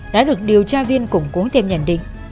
đã được điều tra viên củng cố thêm nhận định